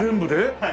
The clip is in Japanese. はい。